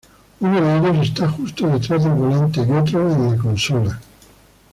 Uno de ellos está justo detrás del volante y otro en la consola.